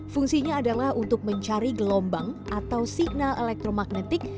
fungsinya adalah untuk mencari gelombang atau signal elektromagnetik